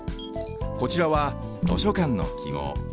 こちらは図書館のきごう。